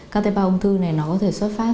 các tế bào ung thư này nó có thể xuất phát